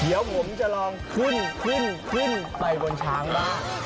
เดี๋ยวผมจะลองขึ้นไปบนช้างนะ